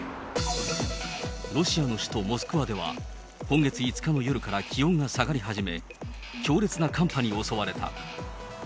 ロシアの首都モスクワでは、今月５日の夜から気温が下がり始め、強烈な寒波に襲われた。